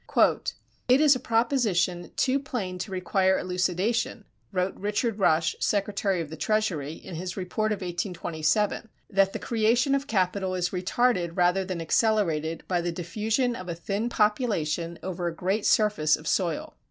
"It is a proposition too plain to require elucidation," wrote Richard Rush, Secretary of the Treasury, in his report of 1827, "that the creation of capital is retarded rather than accelerated by the diffusion of a thin population over a great surface of soil."